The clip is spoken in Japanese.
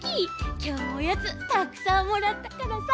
きょうもおやつたくさんもらったからさ。